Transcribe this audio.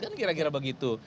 kan kira kira begitu